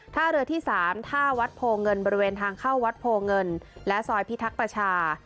ท่าเรือที่๓ท่าวัดโพเงินบริเวณทางเข้าวัดโพเงินและซอยพิทักษ์ประชา